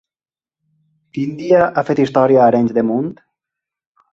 Quin dia ha fet història a Arenys de Munt?